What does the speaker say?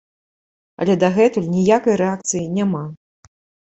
Але дагэтуль ніякай рэакцыі няма.